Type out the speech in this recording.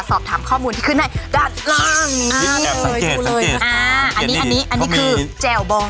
สอบถามข้อมูลที่ขึ้นให้ดัดล่างนี้อันนี้คือแจ่วบอง